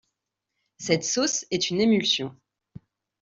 Cette sauce est une émulsion.